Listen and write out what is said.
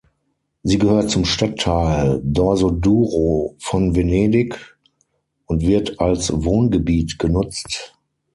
Sie gehört zum Stadtteil Dorsoduro von Venedig und wird als Wohngebiet genutzt.